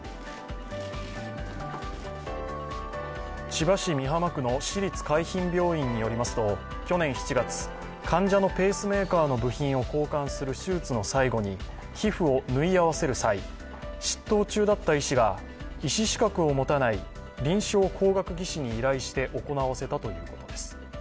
千葉市美浜区の市立海浜病院によりますと、去年７月、患者のペースメーカーの部品を交換する手術の最後に皮膚を縫い合わせる際執刀中だった医師が医師資格を持たない臨床工学技士に依頼して行わせたということです。